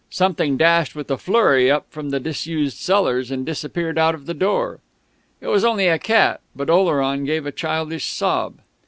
Something dashed with a flurry up from the disused cellars and disappeared out of the door. It was only a cat, but Oleron gave a childish sob.